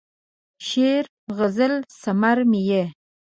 شعر، غزل ثمر مې یې